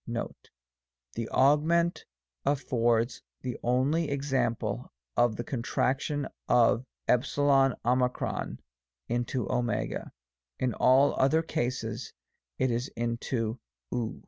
Note. The augment affords the only example of the contraction of €0 into w ; in all other cases it is into ov.